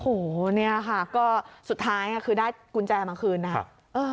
โอ้โหเนี่ยค่ะก็สุดท้ายคือได้กุญแจมาคืนนะครับ